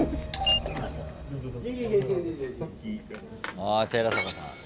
あ寺坂さん。